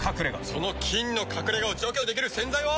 その菌の隠れ家を除去できる洗剤は。